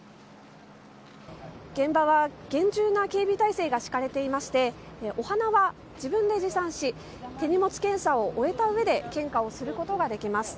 現場は厳重な警備態勢が敷かれていましてお花は自分で持参し手荷物検査を終えたうえで献花をすることができます。